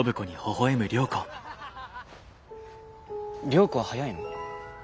良子は速いの？